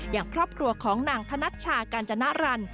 อย่างครอบครัวของนางธนัชชากาญจนรัน